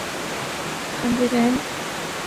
Hungarian